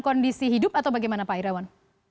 kondisi hidup atau bagaimana pak irawan